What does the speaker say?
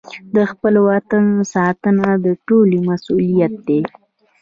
د خپل وطن ساتنه د ټولو مسوولیت دی.